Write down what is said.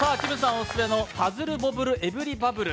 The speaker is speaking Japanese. オススメの「パズルボブルエブリバブル！」。